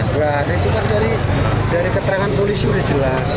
nggak ada itu kan dari keterangan buli sudah jelas